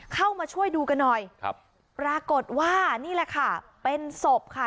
เข้ามาช่วยดูกันหน่อยครับปรากฏว่านี่แหละค่ะเป็นศพค่ะ